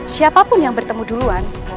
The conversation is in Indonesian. siapapun yang bertemu duluan